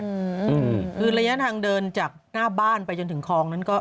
อืมคือระยะทางเดินจากหน้าบ้านไปจนถึงคลองนั้นก็